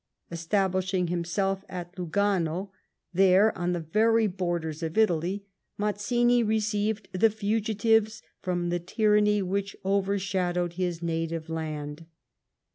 Establishing himself at Lugano, there, on the very borders of Italy, Mazzini received the fugitives from the tyranny which overshadowed his native land.